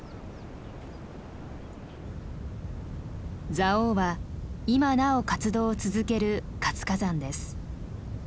蔵王は今なお活動を続ける活火山です。